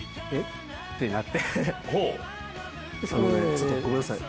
ちょっとごめんなさい。